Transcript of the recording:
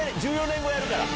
１４年後やるから。